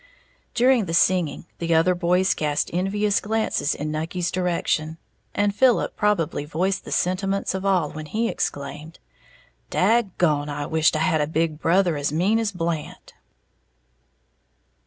During the singing, the other boys cast envious glances in Nucky's direction, and Philip probably voiced the sentiments of all when he exclaimed, "Dag gone, I wisht I had a big brother as mean as Blant!"